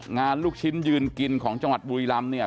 ลูกชิ้นยืนกินของจังหวัดบุรีรำเนี่ย